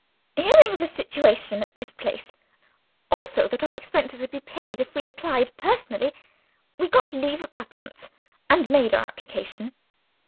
"Hearing of a situation at this place (also that our expenses would be paid if we applied personally), we got leave of absence, and made our application.